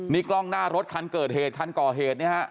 นี่กร่องหน้ารถคันเกิดเหตุคันก่อเหตุ